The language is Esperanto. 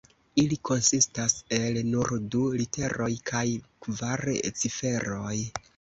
Ili konsistas el nur du literoj kaj kvar ciferoj.